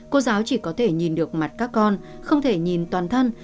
cô giáo chỉ có thể nhìn được mặt các con không thể nhìn toàn thân